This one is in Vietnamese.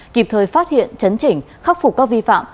kịp thời phát hiện chấn chỉnh khắc phục các vi phạm